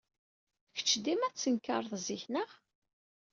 Kečč dima tettenkared zik, naɣ?